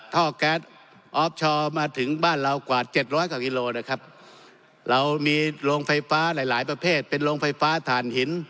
ท่อแก๊สออฟชอร์มาถึงบ้านเรากว่าเจ็ดร้อยกว่ากิโลนะครับเรามีโรงไฟฟ้าหลายหลายประเภทเป็นโรงไฟฟ้าถ่านหิน